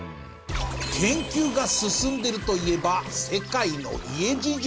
研究が進んでいるといえば世界の家事情。